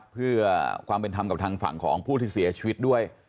เพื่อความเป็นธรรมกับทางฝั่งของผู้ที่เสียชีวิตด้วย